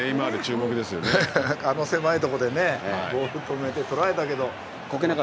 あの狭いとこでボールを止めて、取られたけど。